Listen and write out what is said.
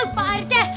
oh pak rt